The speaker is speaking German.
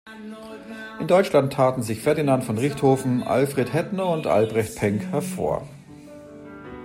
In Deutschland taten sich Ferdinand von Richthofen, Alfred Hettner und Albrecht Penck hervor.